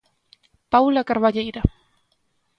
Paula Carballeira.